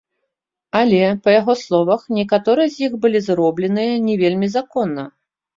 Але, па яго словах, некаторыя з іх былі зробленыя не вельмі законна.